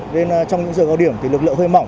nên trong những giờ cao điểm thì lực lượng hơi mỏng